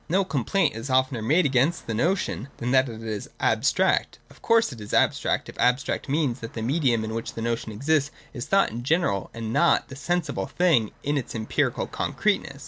No complaint is oftener made against the notion than that it is abstract. Of course it is abstract, if abstract means that the medium in which the notion exists is thought in general and not the sensible thing in its empirical concreteness.